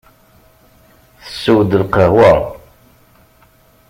Tessew-d lqahwa.